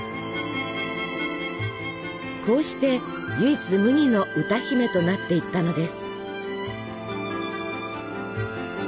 こうして唯一無二の歌姫となっていったのです。